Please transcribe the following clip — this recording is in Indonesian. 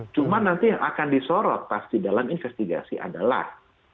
cuma nanti yang akan disorot pasti dalam investigasi adalah